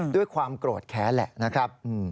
ด้วยความโกรธแค้นแหละนะครับ